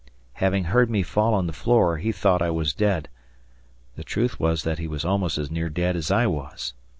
Having heard me fall on the floor, he thoughtI was dead the truth was he was almost as near dead as I was.